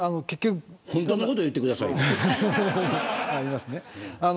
本当のこと言ってくださいね。